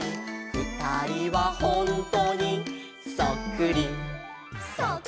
「ふたりはほんとにそっくり」「」